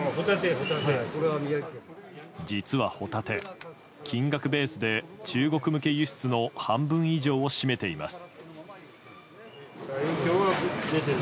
実はホタテ、金額ベースで中国向け輸出の半分以上を占めています。